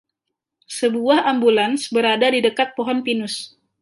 Sebuah ambulans berada di dekat pohon pinus.